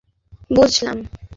ও, বুঝলাম।